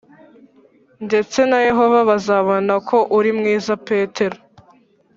Ndetse na yehova bazabona ko uri mwiza petero